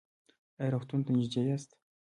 ایا روغتون ته نږدې یاست؟